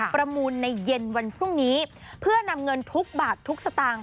ประมูลในเย็นวันพรุ่งนี้เพื่อนำเงินทุกบาททุกสตางค์